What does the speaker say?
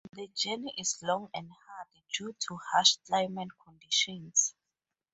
The journey is long and hard due to harsh climate conditions.